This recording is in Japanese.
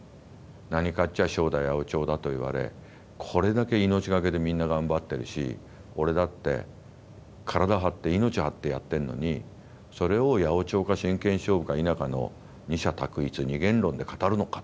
何かっちゃショーだ八百長だと言われこれだけ命懸けでみんな頑張ってるし俺だって体張って命張ってやってんのにそれを八百長か真剣勝負か否かの二者択一二元論で語るのか。